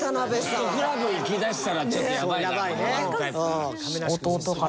ホストクラブ行きだしたらちょっとやばい。